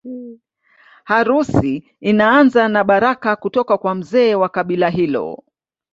Harusi inaanza na baraka kutoka kwa mzee wa kabila hilo